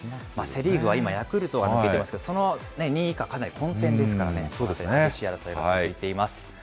セ・リーグは今、ヤクルトが抜けていますが、その２位以下、かなり混戦ですからね、激しい争いが続いています。